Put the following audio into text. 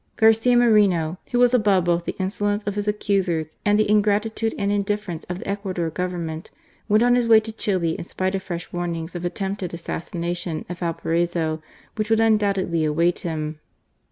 Garcia Moreno, who was above both the insolence of his accusers and the ingratitude and indifTerence of the Ecuador Government, went on his way to Chili in spite of fresh warnings of attempted assas ^nation at Valparaiso which would undoubtedly 'await him.